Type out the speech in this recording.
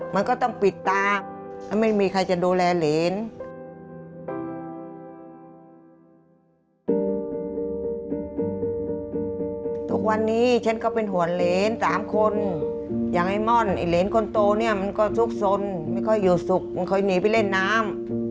มันก็ต้องปิดตา